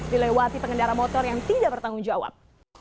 dilewati pengendara motor yang tidak bertanggung jawab